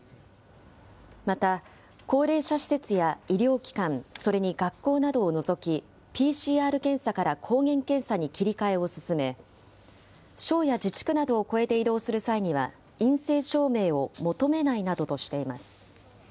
また、高齢者施設や医療機関、それに学校などを除き、ＰＣＲ検査から抗原検査に切り替えを進め、省や自治区などを越えて移動する際には、陰性証明を求めないなどとしています。